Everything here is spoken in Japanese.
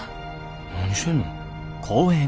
何してんの？